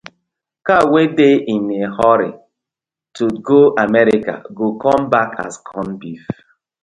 Cow wey dey in a hurry to go America go come back as corn beef: